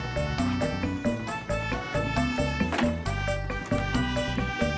bentar bentar bentar